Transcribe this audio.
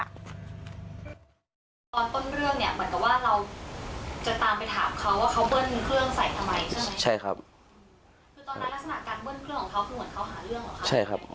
เพื่อนคนที่อยู่ในเหตุการณ์เล่าเรื่องนี้ให้ฟังกันค่ะ